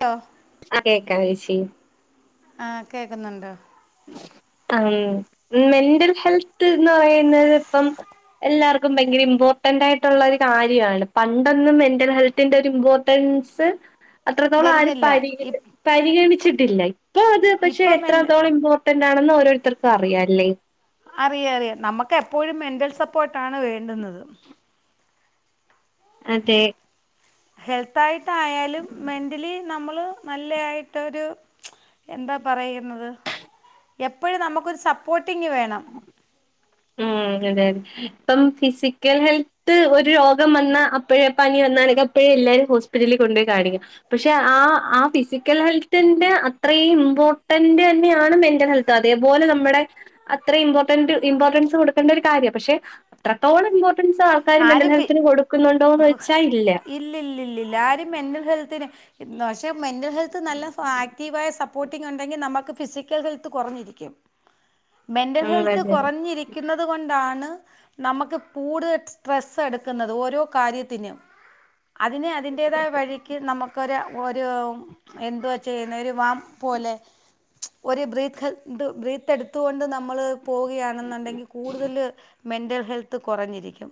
ട്ടൊ. അക്കേക്കാ ചേച്ചി. ആ കേക്ക്ന്നുണ്ടോ ഉം. മെന്റൽ ഹെൽത്ത് എന്ന് പറയുന്നത് ഇപ്പം എല്ലാർക്കും ഭയങ്കര ഇമ്പോർട്ടന്റ് ആയിട്ടുള്ള ഒരു കാര്യ ആണ്. പണ്ടൊന്നും മെന്റൽ ഹെൽത്ത് ത്തിന്റെ ഒരു ഇമ്പോർട്ടൻസ് അത്രത്തോളം ആരും വരുന്നില്ല പരി ഇ പരിഗണിച്ചിട്ടില്ല. ഇപ്പ അത് പക്ഷെ ഇപ്പം മെൻ്റ് എത്രത്തോളം ഇപോ ട്ടന്റാണെന്ന് ഓല്. ഓരോരുത്തർക്കും അറിയാല്ലേ. അറിയ അറിയ. നമുക്ക് എപ്പോഴും മെന്റൽ സപ്പോർട്ടാണ് വേണ്ടുന്നത്. അതെ. ഹെൽത്തായിട്ടയാലും മെന്റലി നമ്മള് നല്ലെ ആയിട്ടൊരു. എന്താ പറയുന്നത്. എപ്പഴും നമുക്കൊരു സപ്പോർട്ടിങ്ങ് വേണം. ഉം തെതെ. ഇപ്പം ഫിസിക്കൽ ഹെൽത്ത് ഒരു രോഗം വന്നാ അപ്പെഴേ പനി വന്നാണെങ്കി ഇപ്പേഴെ എല്ലാരും ഹസ്പിറ്റലിൽ കൊണ്ടോയി കാണിക്കും'. പക്ഷെ ആ ആ ഫിസിക്കൽ ഹെൽത്തിന്റെ അത്രയും ഇമ്പോർട്ടന്റ് തന്നെയാണ് മെന്റൽ ഹെൽത്ത്. തതേപോലെ നമ്മടെ അത്ര ഇമ്പോർട്ടന്റ് ഇമ്പോർ ട്ടൻസ് കൊടുക്കെണ്ട ഒരു കാര്യം. പക്ഷെ അത്രത്തോളം ഇമ്പോർട്ടൻസ് ഇക്കാര്യം മെന്റൽ ആരും ഫി ഹെൽത്തിന് കൊടുക്കുന്നുണ്ടോന്ന് വച്ചാ ഇല്ല. ലില്ലില്യ. ആരും മെന്റൽ ഹെൽത്തിന് [unintelligible] പക്ഷെ മെൻറൽ ഹെൽത്ത് നല്ല ഫാക്റ്റീവായ സപ്പോർട്ടിംഗ് ഉണ്ടെങ്കിൽ നമുക്ക് ഫിസിക്കൽ ഹെൽത്ത് കൊറഞ്ഞിരിക്കും. മെന്റൽ ഉം ഹെൽത്ത് അതെ അതെ കൊറഞ്ഞിരിക്കുന്നത് കൊണ്ടാണ് നമക്ക് പൂട് സ്ട്രെസ്സ് എടുക്കുന്നത് ഓരോ കാര്യത്തിനും. അതിന് അതിൻ്റെതായ വഴിക്ക് നമ്മക്കൊരു ഒരു എന്തുവാ ചെയ്യുന്നെ ഒരു വം പോലെ. ഒരു ബ്രീത്ത് ഹെ ബ്രീത്തെടുത്തുകൊണ്ട് നമ്മള് പോവുകയാണെന്നുണ്ടെങ്കി കൂടുതൽ മെൻ്റൽ ഹെൽത്ത് കൊറഞ്ഞിരിക്കും.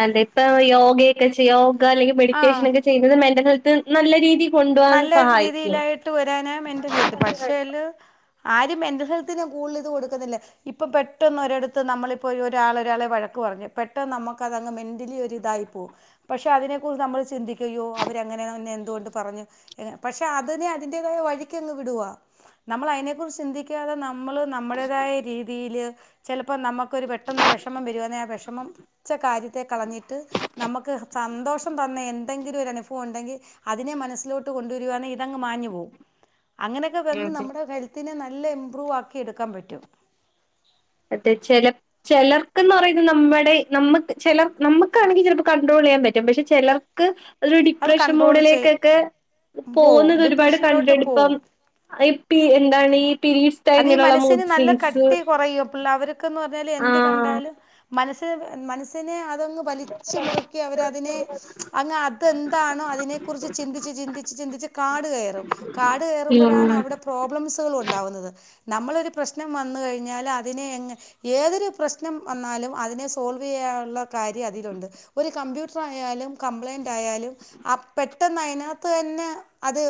അതെ ഇപ്പ യോഗയൊക്കെ യോഗക് അല്ലെങ്കിൽ ആ മെഡിറ്റേഷൻ ഒക്കെ ചെയ്യുന്നത് മെന്റൽ ഹെൽത്ത് നല്ല രീതി കൊണ്ടുപോവാൻ സഹായിക്കും. ട്ട് വെരാന മെന്റൽ ഹെൽത്ത് പക്ഷേല് ആരും മെന്റൽ ഹെൽത്തിന് കൂടുതലിത് കൊടുക്കുന്നില്ലാ. ഇപ്പൊ പെട്ടന്ന് ഒരിടത്ത് നമ്മളിപ്പോ ഒര് ഒരാള് ഒരാളെ വഴക്ക് പറഞ്ഞ് പെട്ടെന്ന് നമ്മക്കതങ്ങ് മെന്റലി ഒരു ഇതായിപ്പോവും പക്ഷെ അതിനെക്കുറിച്ച് നമ്മൾ ചിന്തിക്കു ഇയ്യോ അവരങ്ങനെയെന്നെ എന്തുകൊണ്ട് പറഞ്ഞു. ഏഹ് പക്ഷെ അതിന് അതിന്റേതായ വഴിക്കങ്ങ് വിടുവാ നമ്മള് അതിനെ കുറിച്ച് ചിന്തിക്ക് ക്കാതെ നമ്മള് നമ്മടേതായ രീതീല് ചെലപ്പം നമ്മക്ക് ക്കൊരു പെട്ടെന്നൊരു വെഷമം വെരുവാന്നെ ആ വെഷമം ച്ച കാര്യത്തെ കളഞ്ഞിട്ട് നമ്മക്ക് സന്തോഷം തന്ന എന്തെങ്കിലും ഒരു അനുഫവം ഒണ്ടെങ്കി അതിനെ മനസ്സിലോട്ട് ട്ട് കൊണ്ടുവരുവാന്നെ ഇതങ്ങ് മാഞ്ഞു പോവും അങ്ങനെയൊക്കെ വന്ന് നമ്മടെ ഹെൽ ത്തിനെ നല്ല ഇമ്പ്രൂവ് ആക്കി എടുക്കാൻ പറ്റും. അതെ ചെല ചെലർക്ക്ന്ന് പറയുന്ന നമ്മടെ നമ്മക്ക് ചെലർ നമ്മക്കാണെങ്കി ചെലപ്പ കണ്ട്രോള് ചെയ്യാൻ പറ്റും പക്ഷെ ചെലർ ക്ക് അത് ഒരു ഡിപ്രഷൻ കൺട്രോൾ ചെയ് മൂഡിലേക്കൊക്കെ പോവും പോവുന്നത് ഒരുപാട് ഡിപ്രഷനിലോട്ട് കണ്ടിട്ടുണ്ട് ഇപ്പം പോവും ഈ പീ എന്താണ് ഈ പീരിഡ് അത് ഈ മനസ്സിന് നല്ല കട്ടി കൊറയുവാ പിള്ളാ അവർക്ക്ന്ന് പറഞ്ഞാല് എന്ത് ആഹ് കണ്ടാലും മനസ് ട്ട് മനസ്സിനെ അതങ്ങ് വലിച്ചു മുറുക്കി അവരതിനെ അങ്ങ് അതെന്താണോ അതിനെ കുറിച്ച് ചിന്തിച്ച് ചിന്തിച്ച് ചിന്തിച്ച് കാട് കയറും കാട് ഉം കേറുമ്പഴാണ് അവിടെ പ്രോബ്ലംസുകള് ഒണ്ടാവുന്നത് നമ്മളൊരു പ്രശ്നം വന്ന് കഴിഞ്ഞാല് അതിനെ എങ്ങ ഏതൊരു പ്രശ്നം വന്നാലും അതിനെ സോൾവ് ചെയ്യാനുള്ള കാര്യം അതിലുണ്ട് ഒരു കമ്പ്യൂട്ടർ ആയാലും കംപ്ലൈന്റ് ആയാലും ആഹ് പെട്ടെന്ന് അയിനാത്ത് തന്നെ അത്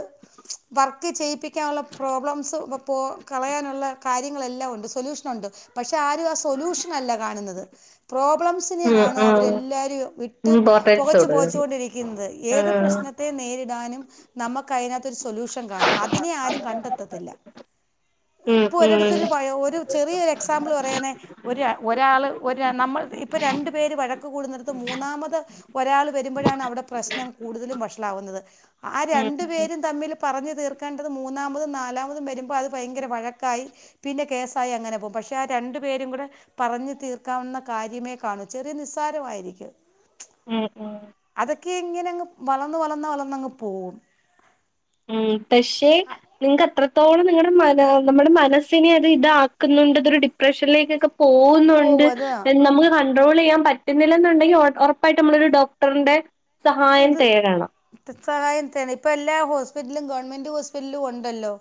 വർക്ക് ചെയ്യിപ്പിക്കാനുള്ള പ്രോബ്ലംസ് ഇ പോ കളയാനുള്ള കാര്യങ്ങളെല്ലാം ഒണ്ട് സൊല്യൂഷനുണ്ട് പക്ഷെ ആരും ആ സൊല്യൂഷനല്ല കാണുന്നത്. പ്രോബ്ലംസ് ഉം നെയാണ് ഉം അവരെല്ലാവരും ഇട്ട് ഇമ്പോർട്ടൻസ് പൊകച്ചു പൊകച്ചു കൊടുക്കണം കൊണ്ടിരിക്കുന്നത് ഏത് പ്രശ്ന ത്തെ നേരിടാനും നമ്മക്ക് അയിനാത്തൊരു സൊല്യൂഷൻ കാണും അതിനെ ആരും കണ്ടെത്തത്തില്ലാ ഉം ഇപ്പോ ഉം ഒരിടത്തൊരു [unintelligible] ഒരു ചെറിയൊരു എക്സാമ്പിള് പറയാണേ ഒര് ര ഒരാള് ഒര് നമ്മള് ഇപ്പൊ രണ്ടു പേര് വഴക്ക് കൂടുന്നിടത്ത് മൂന്നാമത് ഒരാള് വരുമ്പഴാണ് അവിടെ പ്രശ്നം കൂടുതലും വഷളാവുന്നത് ആഹ് അത് ഉം ഉം രണ്ടു പേരും തമ്മില് പറഞ്ഞു തീർക്കേണ്ടത് മൂന്നാമതും നാലാമതും വരുമ്പോ അത് ഭയങ്കര വഴക്കായി പിന്നെ കേസായി അങ്ങനെ പോകും പക്ഷേ ആ രണ്ടു പേരും കൂടെ പറഞ്ഞു തീർക്കാവുന്ന കാര്യമേ കാണൂ ചെറിയ നിസ്സാരവായിരിക്കും ആഹ് അതൊക്കെ ഇങ്ങനെങ്ങ് വളന്ന് വളന്ന് വളന്നങ്ങ് പോകും ഉം പക്ഷെ നിങ്ങക്ക് അത്രത്തോളം നിങ്ങടെ മന നമ്മടെ മനസ്സിനെ അത് ഇതാക്കുന്നുണ്ട്തൊരു ഡിപ്രഷനിലേക്കൊക്കെ പോ പോവുന്നൊണ്ട് പോകും അത് അയിന് നമ്മക്ക് കണ്ട്രോള് ചെയ്യാൻ പറ്റുന്നില്ലന്നൊണ്ടെങ്കി ഒ ഒറപ്പായിട്ട് നമ്മളൊരു ഡോക്ടറിന്റെ സഹായം ഇത് തേടണം സഹായം തേടണം ഇപ്പ എല്ലാ ഹോസ്പിറ്റലും ഗവൺമെന്റ് ഹോസ്പിറ്റലിലും ഒണ്ടല്ലോ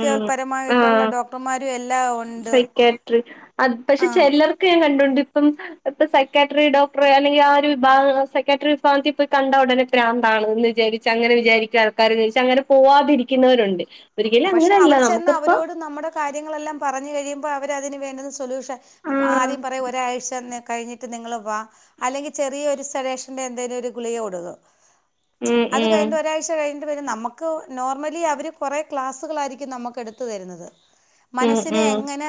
ഉം പരമായിട്ടുള്ള ആഹ് ഡോക്ടർമാരും എല്ലാ വരും സൈക്കാട്രി അത് പക്ഷെ ചിലർക്ക് ഞാൻ കണ്ടിട്ടുണ്ട് ഇപ്പം ഇപ്പൊ സൈക്കാട്രി ഡോക്ടറെ അല്ലെങ്കിൽ ആ ഒരു വിഭാഗം സൈക്കാട്രി വിഭാഗത്തിൽ ഇപ്പ കണ്ട ഉടനെ പ്രാന്താണോ എന്ന് വിചാരിക്കും അങ്ങനെ വിചാരിക്കുന്ന ആൾക്കാരിച്ച അങ്ങനെ പോവാതിരിക്കുന്നവരുണ്ട് ഒരിക്കലും പക്ഷെ അങ്ങനെയല്ല അവിടെ ചെന്ന് നമുക്കിപ്പ അവരോട് നമ്മുടെ കാര്യങ്ങളെല്ലാം പറഞ്ഞു കഴിയുമ്പോ അവരതിനന് വേണ്ടുന്ന സൊല്യൂഷൻ ആഹ് ആദ്യം പറയും ഒരാഴ്ച തന്നെ കഴിഞ്ഞിട്ട് നിങ്ങള് വാ അല്ലെങ്കിൽ ചെറിയ ഒരു ജഡേഷന്റെ എന്തെങ്കിലും ഒരു ഗുളിക കൊടുക്കും ഉം അത് ഉം കഴിഞ്ഞ് ഒരാഴ്ച കഴിഞ്ഞിട്ട് വരും നമുക്ക് നോർമലി അവര് കൊറെ ക്ലാസുകൾ ആയിരിക്കും നമുക്ക് എടുത്തു തരുന്നത് ഉം മനസ്സിനെ ഉം എങ്ങനെ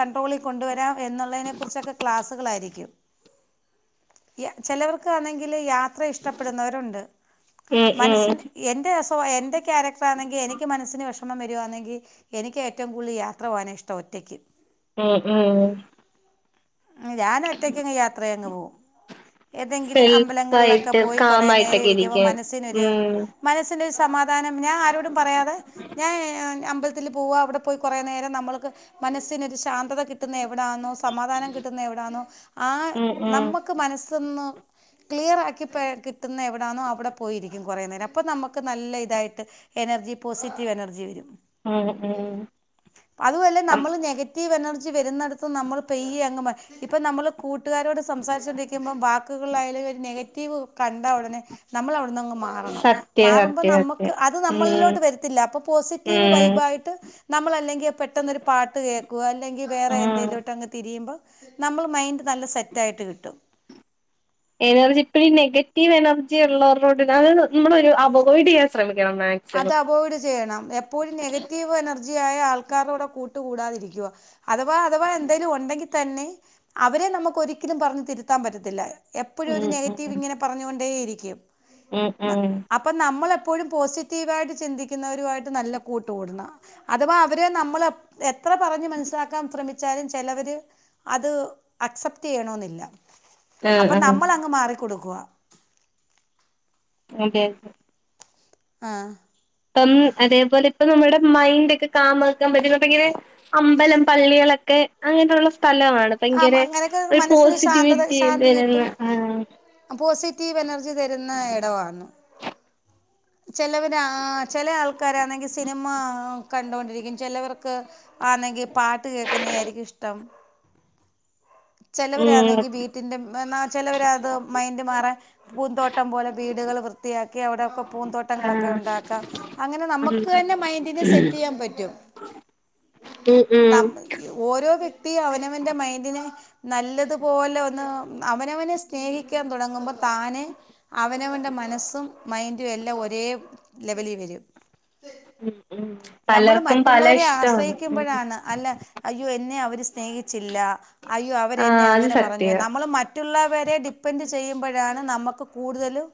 കൺട്രോളിൽ കൊണ്ടുവരാം എന്നുള്ളതിനെ കുറിച്ചൊക്കെ ക്ലാസ്സുകളായിരിക്കും [inaudible] ചിലവർക്ക് ആണെങ്കിൽ യാത്ര ഇഷ്ടപ്പെടുന്നവരുണ്ട് ഉം മനസ് ഉം എന്റെ എന്റെ ക്യാരക്ടർ ആണെങ്കിൽ എനിക്ക് മനസ് ത്തിന് വിഷമം വരുകയാണെങ്കിൽ എനിക്ക് ഏറ്റവും കൂടുതൽ യാത്ര പോകാൻ ഇഷ്ടം ഒറ്റയ്ക്ക് ഉം ഉം ഉ ഞാൻ ഒറ്റയ്ക്ക്ങ്ങ് യാത്രയാങ് പോകും ഏതെങ്കിലും അമ്പലങ്ങളിലൊക്കെ സെൽഫായിട്ട് പോയി കുറെ നേരം കാമായിട്ടൊക്കെ ഇരിക്കുമ്പോൾ ഇരിക്കാൻ മനസ്സിനൊരു ഉം മനസ്സിന് ഒരു സമാധാനം ഞാൻ ആരോടും പറയാതെ ഞാൻ അമ്പലത്തില് അമ്പലത്തിലെ പോ അവിടെ പോയി കുറേ നേരം നമ്മൾക്ക് മനസ്സിന് ഒരു ശാന്ത കിട്ടുന്ന എവിടാണോ സമാധാനം കിട്ടുന്ന കിട്ടുന്ന എവിടണോ ആ ഉം ഉം നമ്മുക്ക് മനസ്സിന്ന് ക്ലിയറ ആക്കി കിട്ടുന്ന എവിടെണോ അവിടെ പോയിരിക്കും കുറേ നേരം അപ്പോം നമുക്ക് നല്ല ഇതായിട്ട് എനർജി പോസിറ്റീവ് എനർജി വരും ഉം ഉം അതുമല്ല അം നമ്മൾ നെഗറ്റീവ് എനർജി വരുന്നിടത്ത് നമ്മൾ പെയ ഇപ്പം നമ്മള് കൂട്ടുകാരോട് സംസാരിച്ചൊണ്ടിരിക്കുമ്പം വാക്കുകളൾയാലും ഒരു നെഗറ്റീവ് കണ്ടാ ഉടനെ നമ്മൾ അവിടുന്ന്ങ്ങ് മാറും മാറണം സത്യം മാറുമ്പോ സത്യം നമുക്ക് സത്യം അത് ഉം നമ്മളിലോട്ട് വരത്തില്ല അപ്പൊ പോസിറ്റീവ് ഉം വൈബ ആയിട്ട് നമ്മള അല്ലെങ്കിൽ പെട്ടെന്ന് പാട്ട് കേൾക്കുക അല്ലെങ്കിൽ വേറെ ഉം എന്തേലുംോട്ട അങ്ങ് തിരിയുമ്പോൾ നമ്മൾ മൈൻഡ് നല്ല സെറ്റ് ആയിട്ട് കിട്ടും എനർജി ഇപ്പോഴ ഈ നെഗറ്റീവ് എനർജി ഉള്ളവരോട് അത് നമ്മളൊ ഒന്ന് അവോയ്ഡ് ചെയ്യാൻ ശ്രമിക്കണം അത് മാക്സിമം അവോയ്ഡ് ചെയ്യണം എപ്പോഴും നെഗറ്റീവ് എനർജി ജി ആയ ആൾക്കാരുടെ കൂടെ കൂട്ട് കൂടാതിരിക്കുക അഥവാ അഥവാ എന്തേലും ഉണ്ടെങ്കിൽ തന്നെ അവരെ നമുക്ക് ഒരിക്കലും പറഞ്ഞ് തിരുത്താൻ പറ്റത്തില്ല എപ്പോഴും ഒരു ഉം നെഗറ്റീവ് ഉം ഇങ്ങനെ പറഞ്ഞുകൊണ്ടേ ഇരിക്കും ഉം ഉം അപ്പം നമ്മളെപ്പോഴും പോസിറ്റീവ് ായിട്ട് ചിന്തിക്കുന്നവരുമായിട്ട് നല്ല കൂട്ടുകൂടുന്ന അഥവാ അവരെ നമ്മൾ എത്ര പറഞ്ഞ് മനസ്സിലാക്കാൻ ശ്രമിച്ച ാലും ചിലവര് അത് അക്സെപ്റ്റ് ചെയ്യണെന്നില്ല ആഹ് അപ്പൊ ആഹ് നമ്മൾ അങ്ങ് മാറിക്കൊടുക്കവാ അതെ ആഹ് ഇപ്പം അതേപോലെ ഇപ്പ നമ്മുടെ മൈൻഡ് ഒക്കെ ക്യാം ആക്കാൻ പറ്റുന്നങ്ങനെ അമ്പലം പള്ളികളൊക്കെ അങ്ങനെയുള്ള സ്ഥലമാണ് ആ ഭയങ്കര അങ്ങനെയൊക്കെ ഒരു മനസ്സിന് ശാന്തത പോസിറ്റിവിറ്റി ശാന്തി വരുന്ന കിട്ടും ആഹ് പോസിറ്റീവ് എനർജി തരുന്ന ഇടവാണ് [unintelligible] ചിലവർ ചില ആൾക്കാരാണെങ്കിൽ ആഹ് സിനിമ കണ്ടൊണ്ടിരിക്കും ചിലവർക്ക് ആന്നെങ്കി പാട്ട് കേക്കുന്നെയാരിക്കും ഇഷ്ടം ഉം ചെലവരാണെങ്കി വീറ്റിന്റെ മ്മ് ആഹ് ചെലവരാത് മൈൻഡ് മാറാൻ പൂന്തോട്ടം പോലെ വീടുകള് വൃത്തിയാക്കി അവിടെയൊക്കെ പൂന്തോട്ടങ്ങളക്കെ ആഹ് ഒണ്ടാക്കാം അങ്ങനെ നമ്മക്ക് ഉം തന്നെ മൈൻഡ്നെ സെറ്റെയ്യാൻ പറ്റും ഉം ഉം ന- ഓരോ വ്യക്തിയും അവനവന്റെ മൈൻഡിന് നല്ലതുപോലെ ഒന്ന് അവനവന് സ്നേഹിക്കാൻ തൊടങ്ങുമ്പോ താനെ അവനവൻ്റെ മനസ്സും മൈൻഡുവെല്ലാം ഒരേ ലെവലി വെരും ഉം ഉം നമ്മള് പലർക്കും പല മറ്റുള്ളവരെ ഇഷ്ടമാണ് ആശ്രയിക്കുമ്പഴാണ് അല്ല അയ്യോ എന്നെ അവര് സ്നേഹിച്ചില്ലാ അയ്യോ അവരെന്നെ ആഹ് അത് അങ്ങനെ സത്യ പറഞ്ഞു നമ്മള് മറ്റുള്ളവരെ ഡിപ് പെൻഡ് ചെയ്യുമ്പോഴാണ് നമുക്ക് കൂടുതലും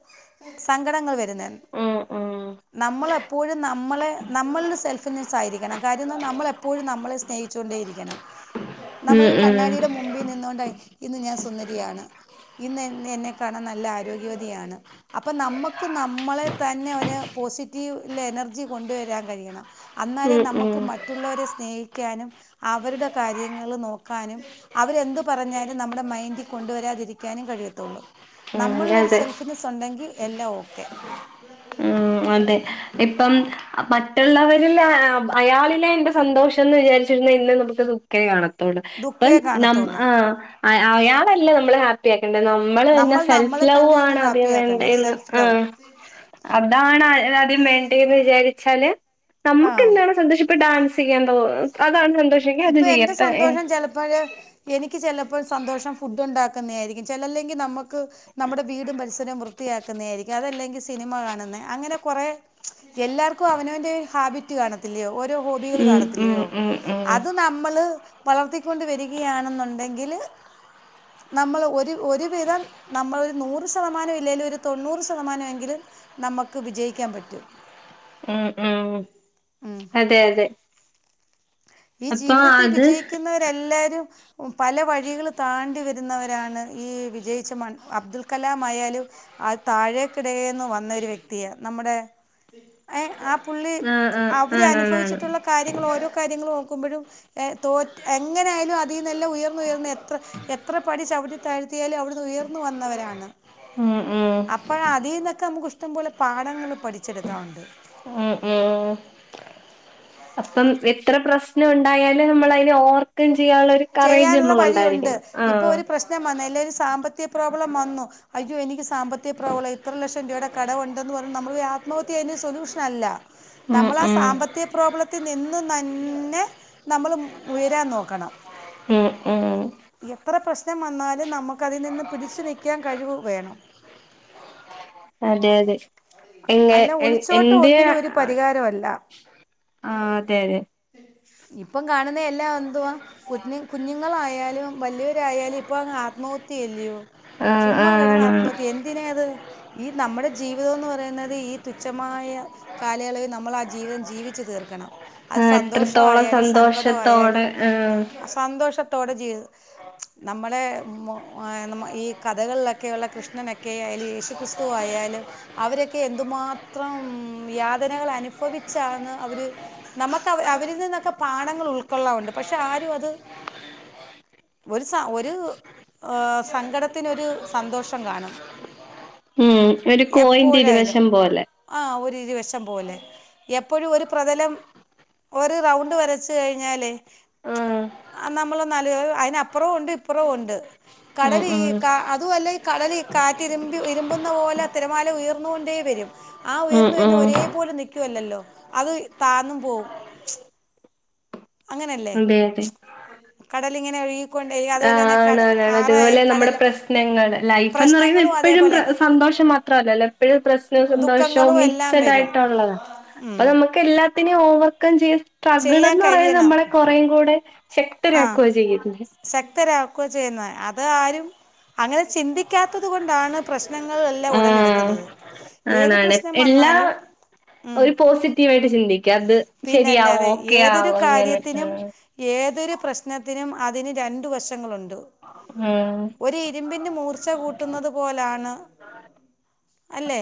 സങ്കടങ്ങൾ വരുന്നെ ഉം ഉം നമ്മളെപ്പോഴും നമ്മളെ നമ്മൾൽ സെൽഫിനെസായിരിക്കണം കാര്യംന്തെന്നാ നമ്മളെപ്പോഴും നമ്മളെ സ് സ്നേഹിച്ചോണ്ടേ ഇരിക്കണം ഉ നമ്മളൊരു കണ്ണാടിടെ മുമ്പി നിന്നോണ്ടെ ഇന്ന് ഞാൻ സുന്നരിയാണ് ഇന്നെന്നെ എന്നെ കാണാൻ നല്ല ആരോഗ്യവതിയാണ് അപ്പം നമ്മക്ക് നമ്മളെ തന്നെ ഒരു പോസിറ്റീവ് ലെനർജി കൊണ്ടുവരാൻ കഴിയണം അന്നാലേ ഉം നമ്മക്ക് ഉം മറ്റുള്ളവരെ സ്നേഹിക്കാനും അവരുടെ കാര്യങ്ങള് നോ ക്കാനും അവരെന്ത് പറഞ്ഞാലും നമ്മുടെ മൈൻഡി കൊണ്ടുവരാതിരിക്കാനും കഴിയത്തൊള്ളൂ ഉം നമ്മൾലൊര് അതെ സെല്ഫിനസൊണ്ടെങ്കി എല്ലാം ഓക്കെ ഉം അതെ ഇപ്പം അഹ് മറ്റുള്ളവരിലായ അയാളിലെ എന്റെ സന്തോഷംന്ന് വിചാരിച്ചിരുന്നേ ഇന്ന് നമുക്ക് ദു ഖേ കാണത്തൊള്ളൂ ദുഃഖേ ഇപ്പം നമ് കാണത്തുള്ളൂ ആഹ് അയാ അയാളല്ല നമ്മളെ ഹാപ്പ് പ്പിയാക്കണ്ടെ നമ്മള് തന്നെ നമ്മൾ സെൽഫ് നമ്മളെ തന്നെയാണ് ലൗവാണ് ഹാപ്പി ആദ്യം ആക്കേണ്ടത് വേണ്ടേന്ന് സെൽഫ് ലവ് ആഹ് അതാണാ അഹ് ആദ്യം വേണ്ടേന്ന് വിചാരിച്ചാല് ആ നമ്മക്ക് എന്താണ് സന്തോഷം ഇപ്പം ഡാൻസെയ്യാൻ തോ അതാണ് സ ഇപ്പം എന്റെ സന്തോഷം ചെലപ്പഴ് എനിക്ക് ചെലപ്പം സന്തോഷം ഫുഡ് ഒണ്ടാക്ക്ന്നെയാരിക്കും ചെലല്ലെങ്കി നമ്മ ക്ക് നമ്മടെ വീടും പരിസരോം വൃത്തിയാക്കുന്നെയാരിക്കും അതല്ലെങ്കി സിനിമ കാണുന്നെ അങ്ങനെ കൊറെ എല്ലാർക്കും അവനവന്റെ ഹാബിറ്റ് കാണത്തില്ലെയോ ഓരോ ഹോബികള് ഉം ഉം കാണത്തില്ലെയോ ഉം ഉം നമ്മള് വളർത്തിക്കൊണ്ട് വരികയാണെന്നൊണ്ടെങ്കില് നമ്മള് ഒര് ഒരുവിധം നമ്മളിൽ നൂറ് ശതമാനം ഇല്ലേലും ഒരു തൊണ്ണൂറ് ശതമാനം എങ്കിലും നമ്മക്ക് വിജയിക്കാൻ പറ്റും ഉം ഉം ഉം. അതെ അതെ ഈ അപ്പൊ ജീവിതത്തി അത് വിജയിക്കുന്നവരെല്ലാരും ഉം പല വഴികള് താണ്ടി വെരുന്നവരാണ് ഈ വിജയിച്ച മൺ അബ്ദുൾ കലാമായാലും ആഹ് താഴേക്കിടേന്ന് വന്നൊരു വ്യക്തിയാ നമ്മടെ ഏഹ് ആഹ് പുള്ളി ആ ആ അവര് ആണാണാണ് അനുഭവിച്ചിട്ടൊള്ള കാര്യങ്ങള് ഓരോ കാര്യങ്ങളും ഓ ക്കുമ്പഴും ഏഹ് തോറ്റ് എങ്ങനെ ആയാലും അതിന്നെല്ലാം ഉയർന്ന് ഉയർന്ന് എത്ര എത്ര പടി ചവിട്ടിത്താഴ്ത്തിയാലും അവിടുന്ന് ഉയർന്ന് വന്നവരാണ് ഉം ഉം അപ്പാ അതീന്നൊക്കെ നമുക്ക് ഇഷ്ടം പോലെ പാഠങ്ങള് പഠിച്ചെടുക്കാവൊണ്ട് ഉം ഉം അപ്പം എത്ര പ്രശ്നം ഉണ്ടായാലും നമ്മൾ അയിനെ ഓവർക്കം ചെയ്യാനുള്ളൊരു കറേജ് അമ്മക്ക് ഉണ്ടായിരിക്കണം ആഹ് വന്നേല് ഒരു സാമ്പത്തിക പ്രോബ്ലം വന്നു അയ്യോ എനിക്ക് സാമ്പത്ത്യ പ്രോബ്ലം ഇത്ര ലക്ഷം രൂപയുടെ കടവുണ്ടെന്ന് പറഞ്ഞ് നമ്മൾ ഒരു ആത്മഹത്യ അതിന് സൊല്യൂഷൻ അല്ല ഉം നമ്മള് ആ ഉം സാമ്പത്ത്യ പ്രോബ്ലത്തിൽ നിന്നും നന്നെ നമ്മള് ഉയരാൻ നോക്കണം ഉം ഉം എത്ര പ്രശ്നം വന്നാലും നമുക്കതിൽ നിന്ന് പിടിച്ചു നിക്കാൻ കഴിവ് വേണം അതെ അതെ എങ്ങ അല്ല എ ഒളിച്ചോട്ടം എന്ത് ഒന്നിനും ഒരു ആഹ് പരിഹാരമല്ല അതെ അതെ ഇപ്പം കാണുന്നെ എല്ലാ എന്തുവാ കുഞ്ഞു കുഞ്ഞുങ്ങളായാലും വലിയവരായാലും ഇപ്പൊ അങ്ങ് ആത്മഹത്യ അല്ലെയോ ആഹ് ചുമ്മ കെടന്ന് ആണാണ് ആത്മഹത്യെയ്യാ എന്തിനാ അത് ഈ നമ്മുടെ ജീവിതംന്ന് പറ യുന്നത് ഈ തുച്ഛമായ കാലയളവിൽ നമ്മൾ ആ ജീവിതം ജീവിച്ചു തീർക്കണം അത് ആഹ് എത്രത്തോളം സന്തോഷമായാലും സന്തോഷത്തോടെ സങ്കടമായാലും ആഹ് സന്തോഷത്തോടെ ജീ നമ്മളെ ഈ കഥകളിലൊക്കെയുള്ള കൃഷ്ണനൊക്കെ അതിൽ ഏശുക്രിസ് തു ആയാലും അവര് എന്തുമാത്രം യാതനകൾ അനുഭവിച്ചാണ് അവര് നമക്ക് അവ അവരിൽ നിന്നൊക്കെ പാഠങ്ങൾ ഉൾക്കൊള്ളാനുണ്ട് പക്ഷെ ആരും അത് ഒരു സ ഒര് ഏഹ് സങ്കടത്തിനൊരു സന്തോഷം കാണും ഉം ഒരു കോയിന്റെ ഇരുവശം പോലെ ആഹെ ഒരു ഇരുവശം പോലെ എപ്പഴും ഒരു പ്രതലം ഒരു റൗണ്ട് വരച്ച് കഴിഞ്ഞാലേ ആഹ് നമ്മള് ന്നാല് അയിനപ്പുറവും ഉണ്ട് ഇപ്പറവും ഉണ്ട് ഉം കടല് ഈ ഉം ക അതു അല്ല കടൽ ഈ കാറ്റിരുമ്പി ഇരുമ്പുന്ന പോലെ തിരമാല ഉയർന്നുകൊണ്ടേ വരും ആ ഉം ഉയർന്നു വര്ന്നെ ഉം ഒരേ പോലെ നിക്കുവല്ലല്ലോ അത് താന്നും പോവും അങ്ങനല്ലേ അതെ കടലിങ്ങനെ ഒഴി ആഹ് ആണ് ആണ് ആണ് അതുപോലെ നമ്മുടെ കടൽ പ്രസ്നങ്ങൾ ലൈഫ്ന്ന് പറയുന്ന പ്രശ്നങ്ങളും എപ്പഴും അതേപോലെ സന്തോഷം മാ ത്ര അല്ലല്ലോ എപ്പഴും പ്രസ സന്തോഷം ദുഃഖങ്ങളും എല്ലാം വരും മിക്സെഡായിട്ടൊള്ളതാ ഉം അത് നമ്മെക്ക് എല്ലാത്തിനേം ഓവർകം ചെയ്യ സ് ചെയ്യാൻ ട്രകിളെന്ന് പറയുന്നേ കഴിയണം നമ്മെളെ കൊറേയും കൂടെ ആ ശക്തരാക്കുക ചെയ്യുന്നേ. ശക്തരാക്കുക ചെയ്യുന്നേ. അത് ആരും അങ്ങനെ ചിന്തിക്കാത്തത് കൊണ്ടാണ് പ്രശ്നങ്ങൾ എല്ലാം ആഹ് ഉടലെടുക്കുന്നത്. ഏത് ആണാണ്. പ്രശ്നം വന്നാലും ഉം കൃത്യയായ്ട്ട് ചിന്തിക്ക അത് ശരിയാവോ പിന്നല്ലാതെ ഏതൊരു ഓക്കെയാവോ അങ്ങെനൊക്കെ കാര്യത്തിനും ഏതൊരു പ്രശ്നത്തിനും അതിന് രണ്ട് വശങ്ങളുണ്ട്. ഉം ഒരു ഇരുമ്പിന്റെ മൂർച്ചാ കൂട്ടുന്നത് പോലാണ്. അല്ലേ?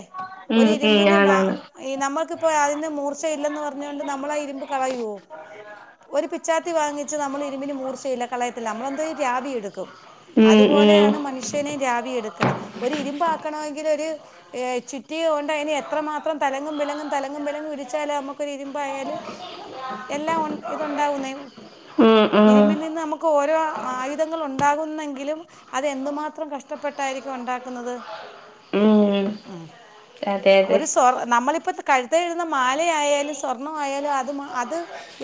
ഒരു ഉം ഉം ഇരുമ്പിന് വ ആണാണ്. ഈ നമ്മെക്കിപ്പോ അതിന് മൂർച്ചയില്ലെന്ന് പറഞ്ഞോണ്ട് നമ്മെളാ ഇരു മ്പ് കളയുവോ? ഒരു പിച്ചാത്തി വാങ്ങിച്ച് നമ്മള് ഇരുമ്പിന് മൂർച്ചയില്ല കളയത്തില്ല നമ്മളെന്തോ ചെയ്യും രാവി എടുക്കും. ഉം ഉം അതുപോലെയാണ് മനുഷ്യനെയും രാവിയെടുക്കണം. ഒരു ഇരുമ്പാക്കണമെങ്കിലൊര് ഏഹ് ചുറ്റിയ കൊണ്ട് അതിനെ എത്രമാത്രം തലങ്ങും വിലങ്ങും തലങ്ങും വിലങ്ങും ഇടിച്ചാല നമ്മ. ക്കൊരു ഇരുമ്പായാല് നമു എല്ലാം ഉൻ ഇത് ഉണ്ടാവുന്നേ. ഉം ഉം ഇരുമ്പിന് ഇന്ന് നമ്മെക്ക് ഓരോ ആയുധങ്ങൾ ഉണ്ടാകുന്നെങ്കിലും. അത് എന്തുമാത്രം കഷ്ടപ്പെട്ടായിരിക്കും ഉണ്ടാക്കുന്നത്? ഉം ഉം അതെ അതെ. ഒരു സ് തൊർ നമ്മളിപ്പ കഴുത്തേയിടുന്ന മാലയായാലും സ്വർണ്ണം ആയാലും അത് മ അത്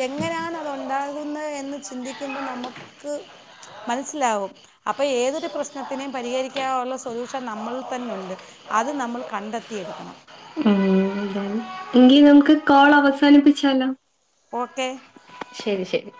എങ്ങനെയാണ് അത് ഉണ്ടാകുന്നതെന്ന് ചിന്തിക്കുമ്പം നമ്മുക്ക് മനസ്സിലാവും. അപ്പ ഏതൊരു പ്രശ്നത്തിനെം പരിഹരിക്കാനൊള്ള സൊല്യൂഷൻ നമ്മളിൽ തന്നുണ്ട്. അത് നമ്മൾ കണ്ടെത്തിയെടുക്കണം. ഉം എങ്കി നമ്മക്ക് കോൾ അവസാനിപ്പിച്ചാലോ. ഓക്കെ ശെരി ശെരി